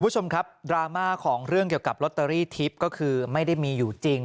คุณผู้ชมครับดราม่าของเรื่องเกี่ยวกับลอตเตอรี่ทิพย์ก็คือไม่ได้มีอยู่จริง